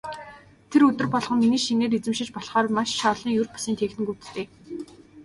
Тэр өдөр болгон миний шинээр эзэмшиж болохоор маш олон ер бусын техникүүдтэй.